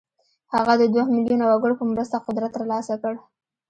هغه د دوه ميليونه وګړو په مرسته قدرت ترلاسه کړ.